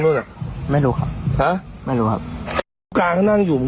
ว่ามึกรู้ว่ามึงนั่งเนี่ย